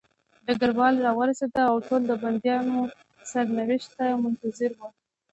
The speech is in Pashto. ډګروال راورسېد او ټول د بندیانو سرنوشت ته منتظر وو